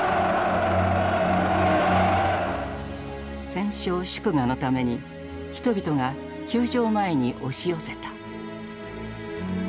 戦勝祝賀のために人々が宮城前に押し寄せた。